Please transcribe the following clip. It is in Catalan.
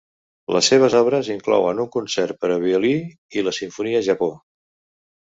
Les seves obres inclouen un concert per a violí i la simfonia 'Japó'.